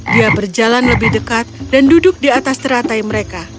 dia berjalan lebih dekat dan duduk di atas teratai mereka